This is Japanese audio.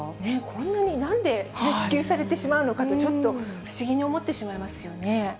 こんなに、なんで支給されてしまうのかと、ちょっと不思議に思ってしまいますよね。